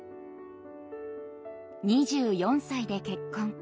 ２４歳で結婚。